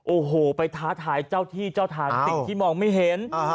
โอ้โหไปท้าทายเจ้าที่เจ้าทางสิ่งที่มองไม่เห็น